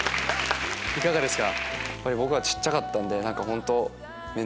いかがですか？